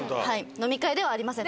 飲み会ではありません。